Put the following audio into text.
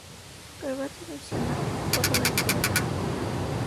Գրված է միսյունով, բոլորագիրով։